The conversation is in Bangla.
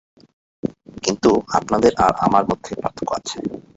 কিন্তু আপনাদের আর আমার মধ্যে পার্থক্য আছে।